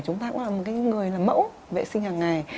chúng ta cũng là một người là mẫu vệ sinh hàng ngày